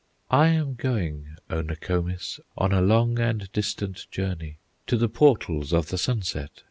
"I am going, O Nokomis, On a long and distant journey, To the portals of the Sunset.